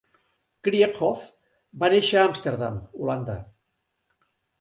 Krieghoff va néixer a Amsterdam, Holanda.